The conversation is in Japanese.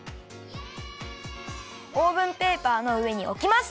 オーブンペーパーのうえにおきます。